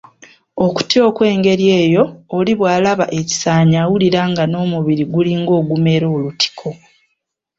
Okutya okw'engeri eyo, oli bw'alaba ekisaanyi awulira nga n'omubiri gulinga ogumera olutiko